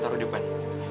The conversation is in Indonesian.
taruh di depan